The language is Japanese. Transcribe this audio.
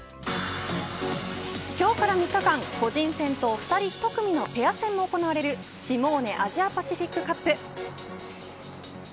今日から３日間、個人戦と２人１組のペア戦も行われるシモーネ・アジアパシフィックカップ。